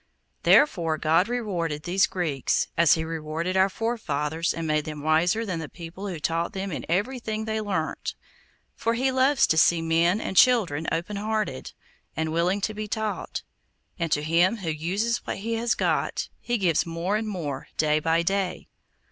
Therefore God rewarded these Greeks, as He rewarded our forefathers, and made them wiser than the people who taught them in everything they learnt; for He loves to see men and children open hearted, and willing to be taught; and to him who uses what he has got, He gives more and more day by day.